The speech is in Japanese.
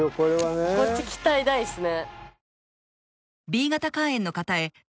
こっち期待大っすね。